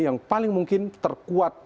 yang paling mungkin terkuat